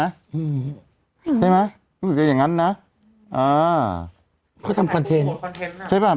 ใช่ไหมรู้สึกจะอย่างงั้นนะอ่าเขาทำคอนเทนต์ใช่ป่ะ